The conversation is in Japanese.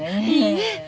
いいえ。